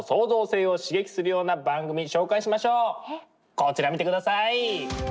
こちら見てください。